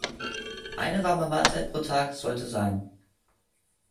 Eine warme Mahlzeit pro Tag sollte sein.